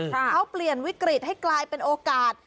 เขาเปลี่ยนวิกฤตให้กลายเป็นโอกาส